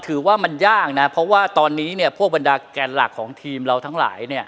ว่ามันยากนะเพราะว่าตอนนี้พวกบรรดาแกนหลักของทีมเราทั้งหลาย